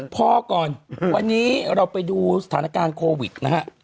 พอก่อนวันนี้เราไปดูสถานการณ์โควิดนะฮะ